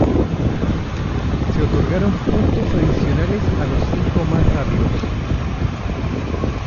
Se otorgaron puntos adicionales a los cinco más rápidos.